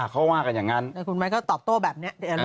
เขาว่ากันอย่างนั้นคุณไม้ก็ตอบโต้แบบนี้